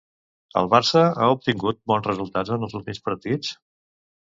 El Barça ha obtingut bons resultats en els últims partits?